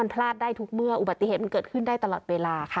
พลาดได้ทุกเมื่ออุบัติเหตุมันเกิดขึ้นได้ตลอดเวลาค่ะ